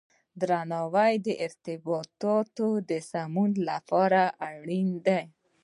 درناوی د ارتباطاتو د سمون لپاره اړین دی.